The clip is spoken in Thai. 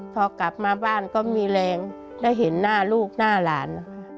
พอกลับมาบ้านก็มีแรงได้เห็นหน้าลูกหน้าหลาน